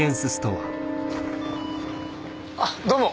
あどうも。